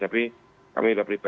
tapi kami sudah beritahu pak